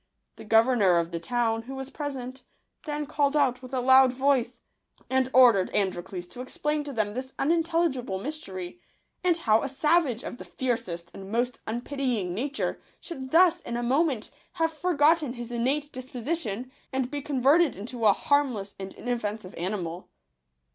The governor of the town, who was present, then called out with a loud voice, and ordered Androcles to explain to them this un intelligible mystery, and how a savage of the fiercest and most unpitying nature should thus in a moment have forgotten his innate disposi tion, and be converted into a harmless and in offensive animal.